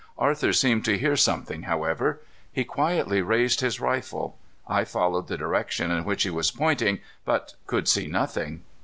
Arthur seemed to hear something, however. He quietly raised his rifle. I followed the direction in which he was pointing, but could see nothing.